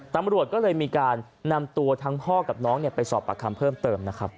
ตำรวจก็เลยมีการนำตัวทั้งพ่อกับน้องไปสอบประคำเพิ่มเติมนะครับ